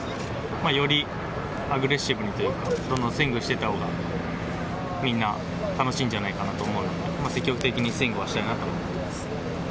よりアグレッシブにというか、どんどんスイングしていったほうが、みんな、楽しいんじゃないかなと思うので、積極的にスイングはしたいなと思ってます。